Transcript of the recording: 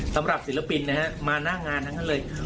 ศิลปินนะฮะมาหน้างานทั้งนั้นเลย